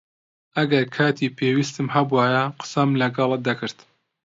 ئەگەر کاتی پێویستم هەبووایە، قسەم لەگەڵت دەکرد.